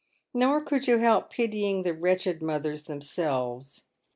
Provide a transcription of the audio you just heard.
Nor could you help pitying the wretched mothers themselves.